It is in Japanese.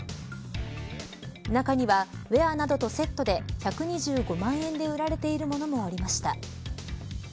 中にはウエアなどとセットで１２５万円で売られているものもありました。